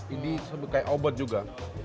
ini seperti obat juga